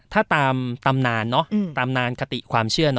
ถ้าตามตำนานตำนานขติความเชื่อ